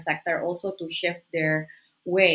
sektor pribadi juga berubah